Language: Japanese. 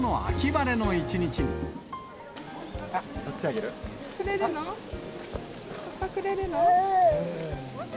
葉っぱくれるの？